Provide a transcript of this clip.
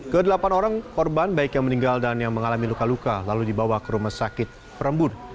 kedelapan orang korban baik yang meninggal dan yang mengalami luka luka lalu dibawa ke rumah sakit perembun